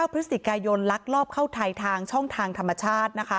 พฤศจิกายนลักลอบเข้าไทยทางช่องทางธรรมชาติ